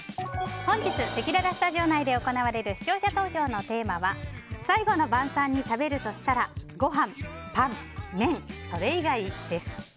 本日せきららスタジオ内で行われる、視聴者投票のテーマは最後の晩さんに食べるとしたらご飯・パン・麺・それ以外です。